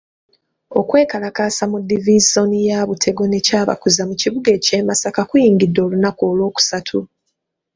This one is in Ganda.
Okwekalakaasa mu divisoni ya Butego ne Kyabakuza mu kibuga ky'e Masaka kuyingidde olunaku olw'okusatu.